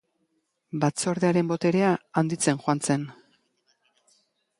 Batzordearen boterea handitzen joan zen.